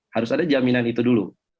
harus ada jaminan itu dulu